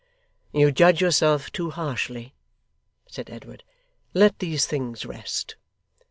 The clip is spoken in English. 'You judge yourself too harshly,' said Edward. 'Let these things rest.